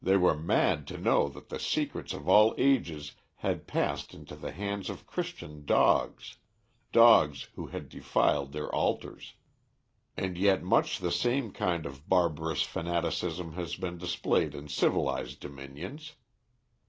They were mad to know that the secrets of all ages had passed into the hands of Christian dogs dogs who had defiled their altars. And yet much the same kind of barbarous fanaticism has been displayed in civilized dominions.